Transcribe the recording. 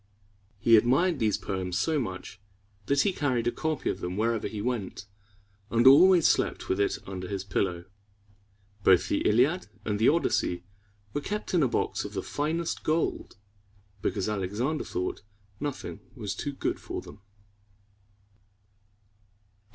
He admired these poems so much that he carried a copy of them with him wherever he went, and always slept with it under his pillow. Both the Iliad and the Odyssey were kept in a box of the finest gold, because Alexander thought nothing was too good for them.